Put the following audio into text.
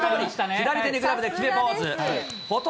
左手にグラブで決めポーズ。